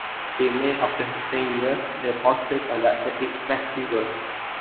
In May of the same year the portal conducted its festival.